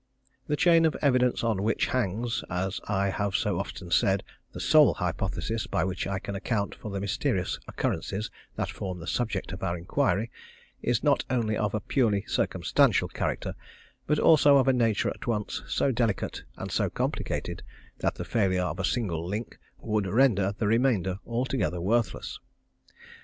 The chain of evidence on which hangs, as I have so often said, the sole hypothesis by which I can account for the mysterious occurrences that form the subject of our inquiry, is not only of a purely circumstantial character, but also of a nature at once so delicate and so complicated that the failure of a single link would render the remainder altogether worthless.